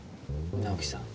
直樹さん。